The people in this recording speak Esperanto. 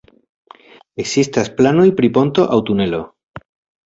Ekzistas planoj pri ponto aŭ tunelo.